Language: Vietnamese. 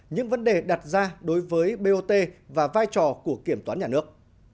những vấn đề đặt ra đối với bot và vai trò của kiểm toán nhà nước